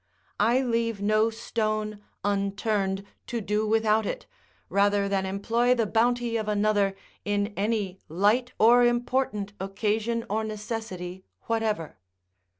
I leave no stone unturned, to do without it, rather than employ the bounty of another in any light or important occasion or necessity whatever.